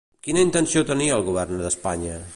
Quina intenció tenia el Govern d'Espanya?